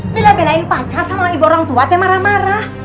bila benain pacar sama ibu orang tua saya marah marah